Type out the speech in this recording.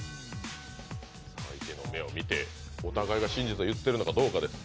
相手の目を見てお互いが真実を言ってるかどうかです。